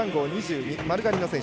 丸刈りの選手。